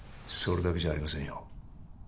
それだけじゃありませんよ